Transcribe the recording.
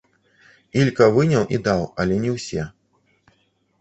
Ілька выняў і даў, але не ўсе.